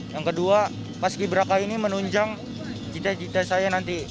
yang kedua paski beraka ini menunjang cita cita saya nanti